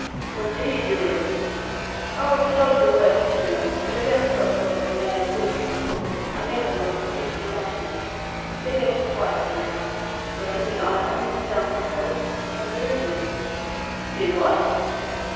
"What do you do with 'em?" "Oh, flog the worst, you know; but I don't flog more than a man a week, as a rule, and never more than fifty lashes. They're getting quieter now. Then we iron, and dumb cells, and maroon them." "Do what?"